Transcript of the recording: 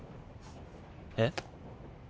えっ？